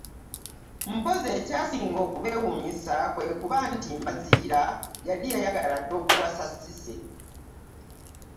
Mpozzi ekyasinga okubeewuunyisa kwe kuba nti Mbazira yali yayagala dda okuwasa Cissy.